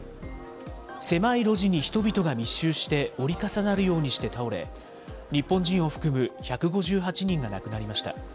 狭い路地に人々が密集して、折り重なるようにして倒れ、日本人を含む１５８人が亡くなりました。